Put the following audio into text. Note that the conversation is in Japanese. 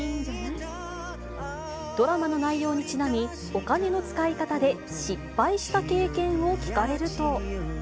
ドラマの内容にちなみ、お金の使い方で失敗した経験を聞かれると。